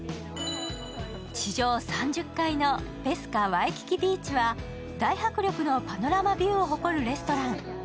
地上３０階のペスカ・ワイキキビーチは大迫力のパラノマビューを誇るレストラン。